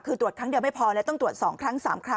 คือตรวจครั้งเดียวไม่พอแล้วต้องตรวจ๒ครั้ง๓ครั้ง